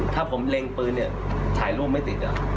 ถ้าผมเล็งปืนเนี่ยถ่ายรูปไม่ติด